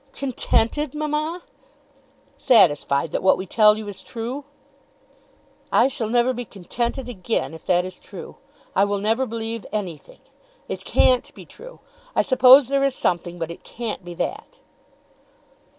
"Contented, mamma!" "Satisfied that what we tell you is true." "I shall never be contented again. If that is true, I will never believe anything. It can't be true. I suppose there is something, but it can't be that."